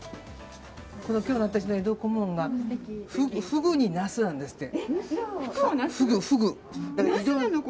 今日の私の江戸小紋はフグにナスなんですって。